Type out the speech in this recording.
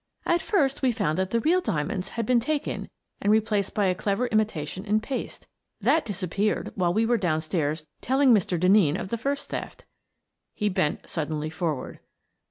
" At first we found that the real diamonds had been taken and replaced by a clever imitation in paste. That disappeared while we were down stairs telling Mr. Denneen of the first theft." He bent suddenly forward.